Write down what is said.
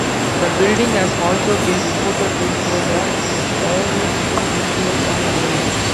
The building has also been reported to show the Prairie School's influence on Greene.